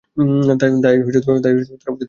তাই তারা অতীতে বসবাস করছে।